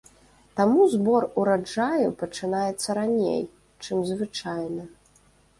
Таму збор ураджаю пачынаецца раней, чым звычайна.